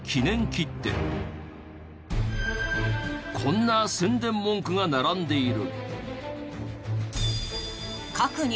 こんな宣伝文句が並んでいる。